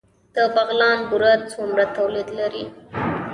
د بغلان بوره څومره تولید لري؟